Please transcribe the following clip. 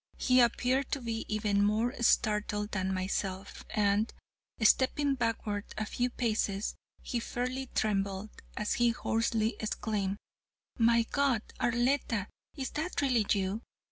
He appeared to be even more startled than myself, and, stepping backward a few paces, he fairly trembled, as he hoarsely exclaimed: 'My God, Arletta, is that really you?'